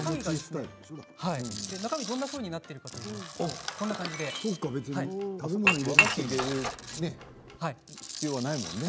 中身がどんなふうになっているかといいますと和菓子を入れる必要はないもんね。